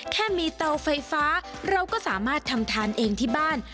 แค่มีเตาไฟฟ้าเราก็สามารถทำทานเองที่บ้าน